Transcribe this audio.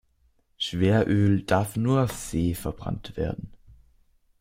Schweröl darf nur auf See verbrannt werden.